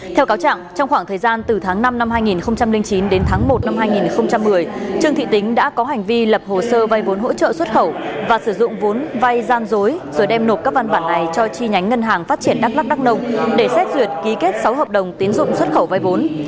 theo cáo trạng trong khoảng thời gian từ tháng năm năm hai nghìn chín đến tháng một năm hai nghìn một mươi trương thị tính đã có hành vi lập hồ sơ vay vốn hỗ trợ xuất khẩu và sử dụng vốn vay gian dối rồi đem nộp các văn bản này cho chi nhánh ngân hàng phát triển đắk lắc đắk nông để xét duyệt ký kết sáu hợp đồng tiến dụng xuất khẩu vai vốn